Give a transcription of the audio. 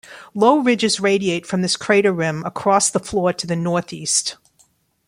Low ridges radiate from this crater rim across the floor to the northeast.